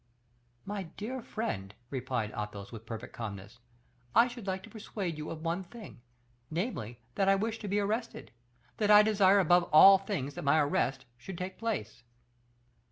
_'" "My dear friend," replied Athos, with perfect calmness, "I should like to persuade you of one thing; namely, that I wish to be arrested; that I desire above all things that my arrest should take place."